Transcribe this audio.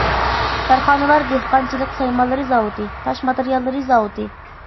كارخانىلار دېھقانچىلىق سايمانلىرى زاۋۇتى، تاش ماتېرىياللىرى زاۋۇتى.